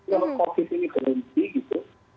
kalau covid ini berhenti gitu